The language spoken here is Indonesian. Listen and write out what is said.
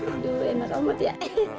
aduh enak amat ya